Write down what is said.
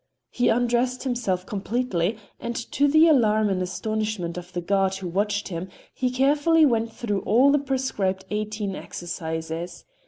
He undressed himself completely and, to the alarm and astonishment of the guard who watched him, he carefully went through all the prescribed eighteen exercises.